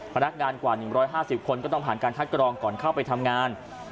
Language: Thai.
พนักงานกว่า๑๕๐คนก็ต้องผ่านการคัดกรองก่อนเข้าไปทำงาน